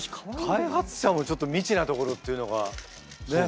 開発者もちょっと未知なところっていうのがすごいっすね。